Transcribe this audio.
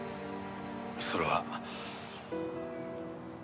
それは。